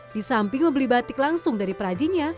di samping membeli batik langsung dari perajinnya